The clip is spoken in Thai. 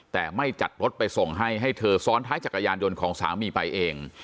แต่ไม่จัดรถไปส่งให้ให้เธอซ้อนท้ายจักรยานยนต์ของสามีไปเอง